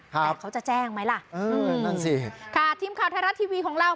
แต่เขาจะแจ้งไหมล่ะเออนั่นสิค่ะทีมข่าวไทยรัฐทีวีของเรา